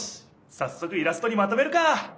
さっそくイラストにまとめるか！